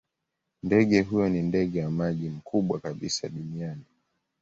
Ndege huyo ni ndege wa maji mkubwa kabisa duniani.